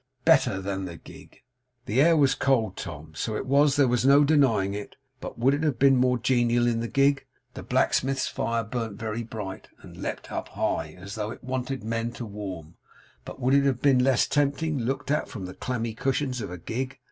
Better than the gig! The air was cold, Tom; so it was, there was no denying it; but would it have been more genial in the gig? The blacksmith's fire burned very bright, and leaped up high, as though it wanted men to warm; but would it have been less tempting, looked at from the clammy cushions of a gig?